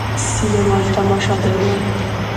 سینما د تماشا ځای دی.